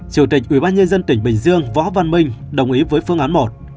chủ tịch ubnd tỉnh bình dương võ văn minh đồng ý với phương án một